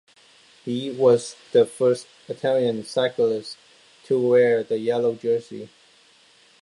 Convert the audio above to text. He was the first Italian cyclist to wear the yellow jersey.